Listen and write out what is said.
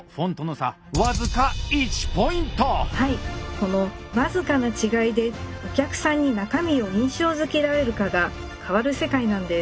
この僅かな違いでお客さんに中身を印象づけられるかが変わる世界なんです。